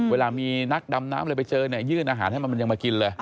เวลามีนักดำน้ำอะไรไปเจอเนี่ยยื่นอาหารให้มันยังมากินเลย